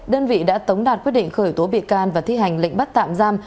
đơn vị đã tống đạt quyết định khởi tố bị can và thi hành lệnh bắt tạm giam